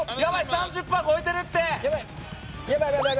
３０パー超えてるって！